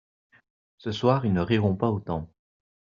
Ce soir ils ne riront pas autant.